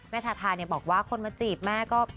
ทาทาเนี่ยบอกว่าคนมาจีบแม่ก็